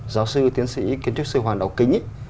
giáo sư tiến sĩ kiến trúc sư hoàng đạo kính